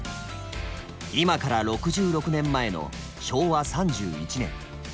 今から６６年前の昭和３１年。